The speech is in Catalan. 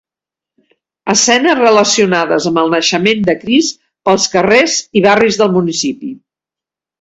Escenes relacionades amb el naixement de Crist pels carrers i barris del municipi.